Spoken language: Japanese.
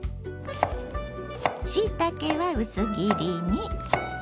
しいたけは薄切りに。